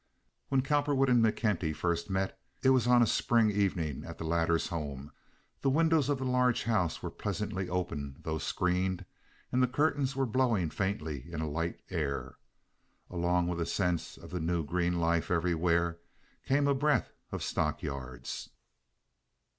When Cowperwood and McKenty first met, it was on a spring evening at the latter's home. The windows of the large house were pleasantly open, though screened, and the curtains were blowing faintly in a light air. Along with a sense of the new green life everywhere came a breath of stock yards.